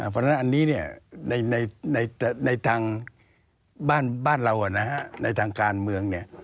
เพราะฉะนั้นอันนี้ในทางบ้านเราในทางการเมือง